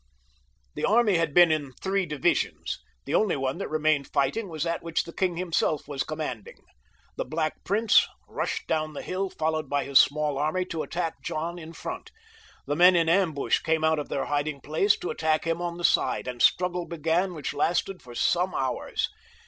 The army had been in three divisions ; the only one XXVI.] JOHN {LE BON). 169 'I whicli remained fighting was that where the king himself was commanding. The Black Prince rushed down the hill, followed by his small army, to attack John in front; the men in ambush came out of their hiding place to attack him on the side, and a struggle began which lasted for some hours.